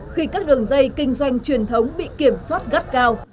khi các đường dây kinh doanh truyền thống bị kiểm soát gắt gao